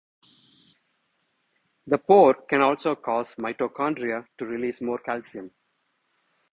The pore can also cause mitochondria to release more calcium.